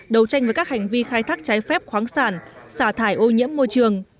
đấu tranh với các hành vi khai thác trái phép khoáng sản xả thải ô nhiễm môi trường